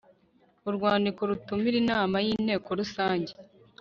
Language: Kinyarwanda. urwandiko rutumira inama y inteko rusange